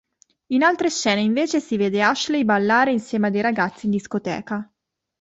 In altre scene invece si vede Ashley ballare insieme a dei ragazzi in discoteca.